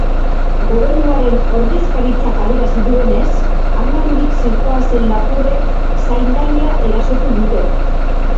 Gobernuaren Ordezkaritzak adierazi duenez, armaturik zihoazen lapurrek zaindaria erasotu dute.